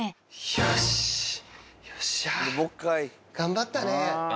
よし、よっしゃ。頑張ったね。